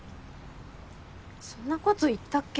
そんなこと言ったっけ